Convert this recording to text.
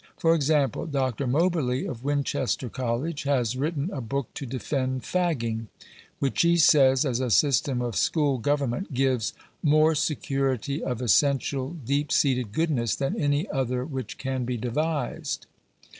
For example, Dr. Moberly, of Winchester Col lege, has written a book to defend fagging, which he says, as a system of school government, gives " more security of essential deep seated goodness than any other which can be devised."